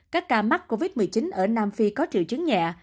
các ca mắc covid một mươi chín ở nam phi có triệu chứng nhẹ